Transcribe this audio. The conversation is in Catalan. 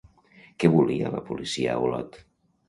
Què volia la policia a Olot?